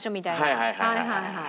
はいはいはいはい。